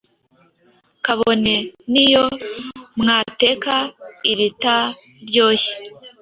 kabone niyo mwateka ibitaryoshye